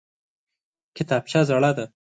کتابچه زړه ده!